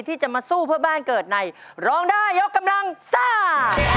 ที่จะมาสู้เพื่อบ้านเกิดในร้องได้ยกกำลังซ่า